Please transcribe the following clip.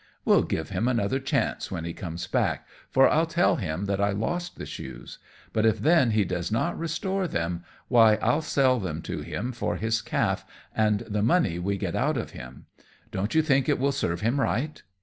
We'll give him another chance when he comes back, for I'll tell him that I lost the shoes; but if then he does not restore them, why I'll sell them to him for his calf and the money we get out of him. Don't you think it will serve him right?"